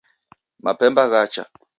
Mapemba ghacha.